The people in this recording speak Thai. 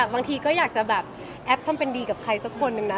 บางทีก็อยากจะแบบแอปทำเป็นดีกับใครสักคนหนึ่งนะ